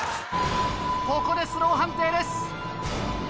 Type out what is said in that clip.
ここでスロー判定です。